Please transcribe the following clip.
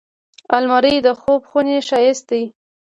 الماري د خوب خونې ښايست دی